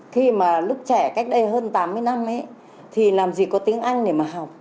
khi mà lớp trẻ cách đây hơn tám mươi năm ấy thì làm gì có tiếng anh để mà học